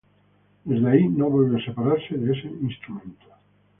Desde ahí no volvió separarse de ese instrumento.